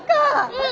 うん！